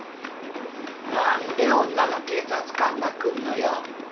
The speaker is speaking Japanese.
何で女の警察官が来んのよ。